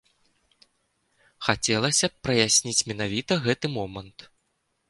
Хацелася б праясніць менавіта гэты момант.